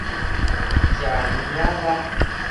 食奶仔力